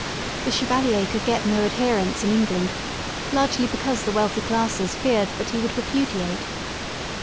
The Chevalier could get no adherents in England « largely because the wealthy classes feared that he would repudiate.